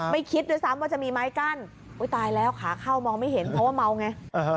คิดด้วยซ้ำว่าจะมีไม้กั้นอุ้ยตายแล้วขาเข้ามองไม่เห็นเพราะว่าเมาไง